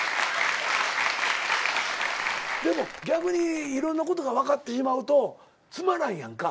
でも逆にいろんなことが分かってしまうとつまらんやんか。